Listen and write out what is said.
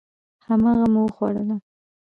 هماغه مو وخوړه.